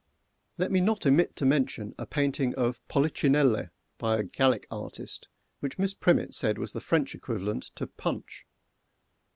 Let me not omit to mention a painting of "Polichinelle" by a Gallic artist, which Miss PRIMMETT said was the French equivalent to Punch.